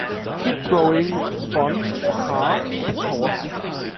kid throwing sponge at car because hes tired